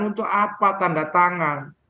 untuk apa tanda tangan